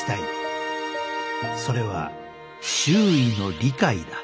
それは周囲の理解だ。